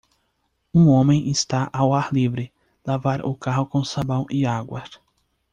Um homem está ao ar livre, lavar o carro com sabão e água.